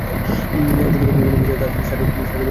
এপর্যন্ত বিভিন্ন বিষয়ে তার ষাটের বেশি বই প্রকাশ পেয়েছে।